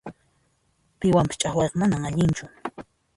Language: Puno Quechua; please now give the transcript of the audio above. Piwanpas ch'aqwayqa manan allinchu.